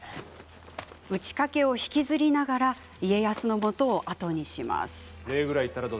打ち掛けを引きずりながら家康のもとを後にします。